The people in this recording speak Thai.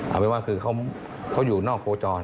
เอาเป็นว่าคือเขาอยู่นอกโคจร